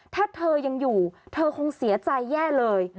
ถ้าเธอยังอยู่เธอคงเสียใจแย่เลย